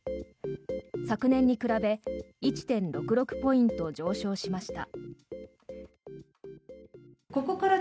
昨年に比べ１．６６ポイント上昇しました。